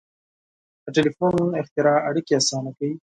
• د ټیلیفون اختراع اړیکې آسانه کړې.